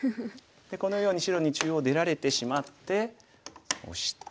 でこのように白に中央出られてしまってオシて。